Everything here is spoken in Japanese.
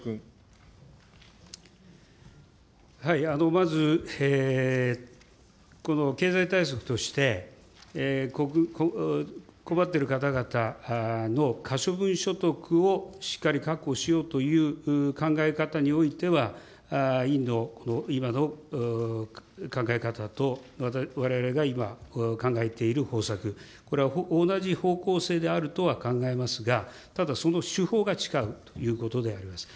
まず、この経済対策として、困っている方々の可処分所得をしっかり確保しようという考え方においては、委員の今の考え方と、われわれが今、考えている方策、これは同じ方向性であるとは考えますが、ただその手法が違うということであります。